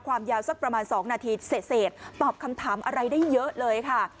ความยาวสักประมาณ๒นาทีเสร็จตอบคำถามอะไรได้เยอะเลยค่ะ